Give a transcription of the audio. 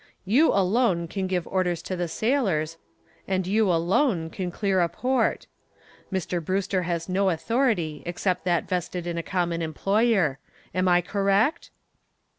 You alone can give orders to the sailors and you alone can clear a port. Mr. Brewster has no authority except that vested in a common employer. Am I correct?"